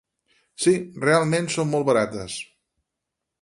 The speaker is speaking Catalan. —Sí, realment són molt barates.